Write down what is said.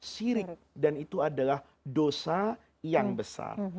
sirik dan itu adalah dosa yang besar